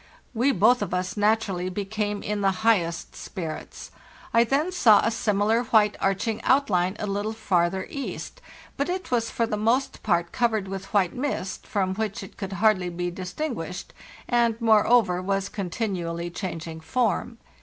We both of us naturally became in the high est spirits. I then saw a similar white arching outline a little farther east; but it was for the most part covered with white mist, from which it could hardly be distinguish ed, and, moreover, was continually changing form.